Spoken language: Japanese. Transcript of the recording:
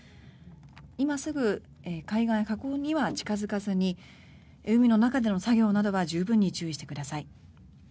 今すぐ海岸や河口には近付かずに海の中での作業などは十分に注意してください。